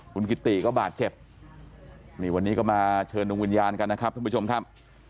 คุณกิติก็บาดเจ็บนี่วันนี้ก็มาเชิญดวงวิญญาณกันนะครับท่านผู้ชมครับ